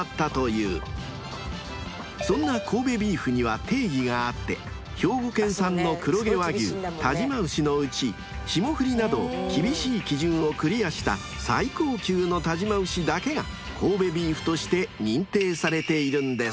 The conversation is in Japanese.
［そんな神戸ビーフには定義があって兵庫県産の黒毛和牛但馬牛のうち霜降りなど厳しい基準をクリアした最高級の但馬牛だけが神戸ビーフとして認定されているんです］